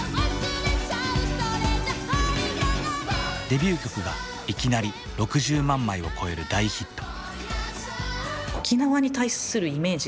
デビュー曲がいきなり６０万枚を超える大ヒット。